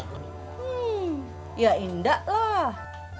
hmm ya indah lah